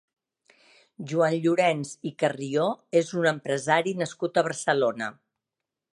Joan Llorens i Carrió és un empresari nascut a Barcelona.